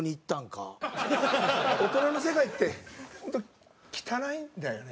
大人の世界って本当汚いんだよね。